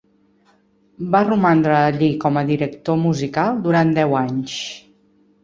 Va romandre allí com a director musical durant deu anys.